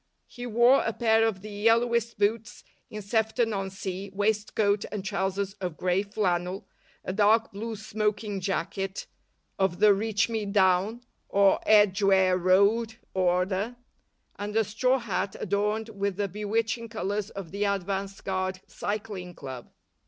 He wore a pair of the yellowest boots in Sefton on Sea, waistcoat and trousers of grey flannel, a dark blue smoking jacket of the reach me down or Edgware Road order, and a straw hat adorned with the bewitching colours of the Advance Guard Cycling Club.